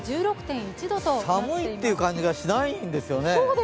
寒いという感じがしないんですよね。